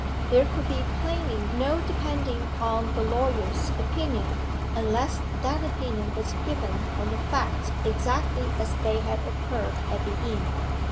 There could be plainly no depending on the lawyer's opinion, unless that opinion was given on the facts exactly a s they had occurred at the inn.